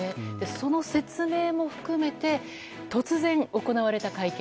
その説明も含めて突然、行われた会見。